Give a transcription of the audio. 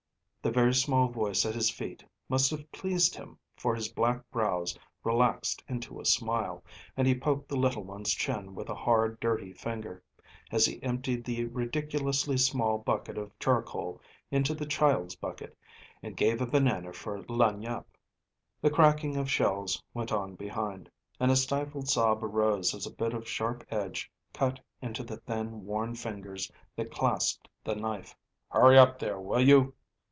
The very small voice at his feet must have pleased him, for his black brows relaxed into a smile, and he poked the little one's chin with a hard, dirty finger, as he emptied the ridiculously small bucket of charcoal into the child's bucket, and gave a banana for lagniappe. The crackling of shells went on behind, and a stifled sob arose as a bit of sharp edge cut into the thin, worn fingers that clasped the knife. "Hurry up there, will you?"